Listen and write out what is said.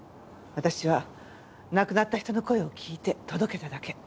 私は亡くなった人の声を聞いて届けただけ。